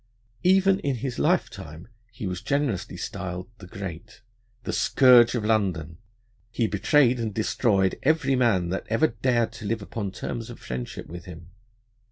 Even in his lifetime he was generously styled the Great. The scourge of London, he betrayed and destroyed every man that ever dared to live upon terms of friendship with him.